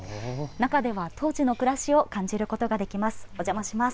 中では当時の暮らしを感じることができます。